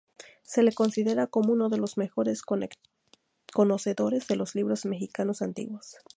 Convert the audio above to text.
Se le considera como uno de los mejores conocedores de los libros mexicanos antiguos.